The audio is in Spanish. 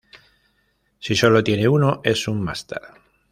Si solo tiene uno, es un máster.